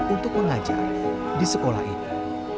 untuk mengajar di sekolah ini